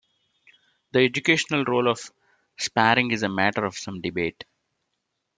The educational role of sparring is a matter of some debate.